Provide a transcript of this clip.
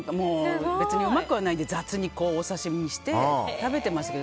別にうまくはないので雑に、お刺し身にして食べてましたけど。